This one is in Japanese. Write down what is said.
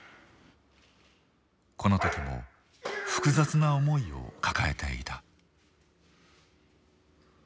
この時も複雑な思いを抱えていた。